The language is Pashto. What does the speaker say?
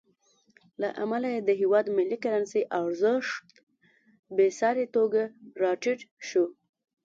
له امله یې د هېواد ملي کرنسۍ ارزښت بېساري توګه راټیټ شو.